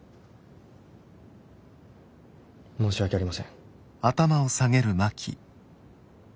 申し訳ありません。